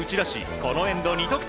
このエンド、２得点。